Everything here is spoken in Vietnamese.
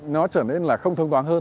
nó trở nên là không thông toán hơn